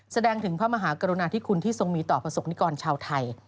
แสดงถึงพระมหากรุณาธิคุณที่ทรงมีต่อประสบนิกรชาวไทย